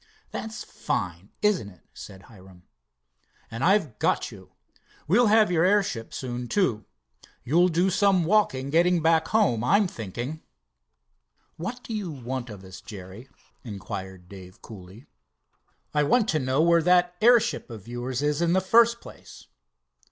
"That's fine, isn't it?" said Hiram. "And I've got you. We'll have your airship soon, too. You'll do some walking getting back home, I'm thinking." "What do you want of us, Jerry?" inquired Dave, coolly. "I want to know where that airship of yours is in the first place."